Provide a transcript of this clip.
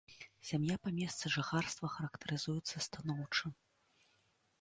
Сям'я па месцы жыхарства характарызуецца станоўча.